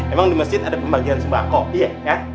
emang di masjid ada pembagian sembako iya